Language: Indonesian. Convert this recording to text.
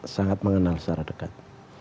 sangat mengenal secara dekat